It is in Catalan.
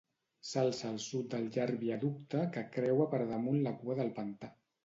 S'alça al sud del llarg viaducte que creua per damunt la cua del pantà.